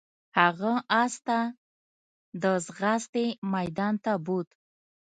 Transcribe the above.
هغه اس ته د ځغاستې میدان ته بوت.